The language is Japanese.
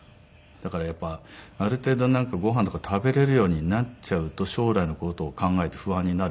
だからやっぱりある程度ご飯とか食べれるようになっちゃうと将来の事を考えて不安になるもんなんですね。